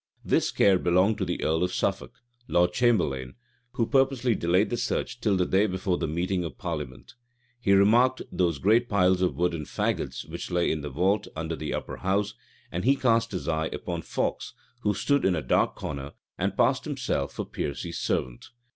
This care belonged to the earl of Suffolk, lord chamberlain, who purposely delayed the search till the day before the meeting of parliament. He remarked those great piles of wood and fagots which lay in the vault under the upper house; and he cast his eye upon Fawkes, who stood in a dark corner, and passed himself for Piercy's servant.